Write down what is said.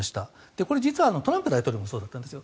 これ、実はトランプ大統領もそうだったんです。